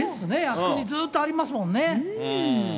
あそこにずっとありますもんね。